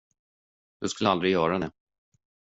Du skulle aldrig göra det.